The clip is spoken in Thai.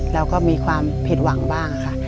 เราก็มีความผิดหวังบ้างค่ะ